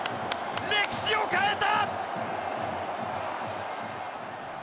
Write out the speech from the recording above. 歴史を変えた！